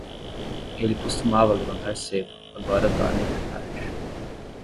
Ele costumava levantar cedo, agora dorme até tarde.